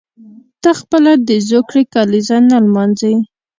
ته خپله د زوکړې کلیزه نه لمانځي.